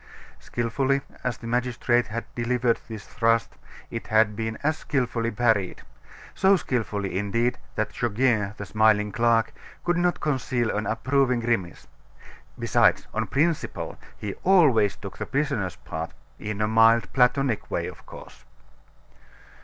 Skilfully as the magistrate had delivered this thrust, it had been as skilfully parried; so skilfully, indeed, that Goguet, the smiling clerk, could not conceal an approving grimace. Besides, on principle, he always took the prisoner's part, in a mild, Platonic way, of course.